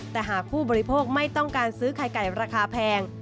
แต่หากผู้บริโภคไม่ต้องการซื้อไข่ไก่ราคาแพง